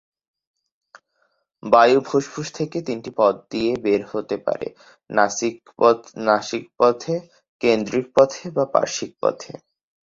বায়ু ফুসফুস থেকে তিনটি পথ দিয়ে বের হতে পারে: নাসিক পথে, কেন্দ্রিক পথে, বা পার্শ্বিক পথে।